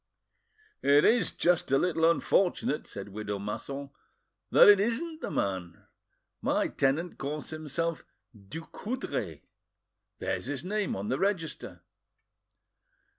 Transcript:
"It is just a little unfortunate," said widow Masson, "that it isn't the man. My tenant calls himself Ducoudray. There's his name on the register."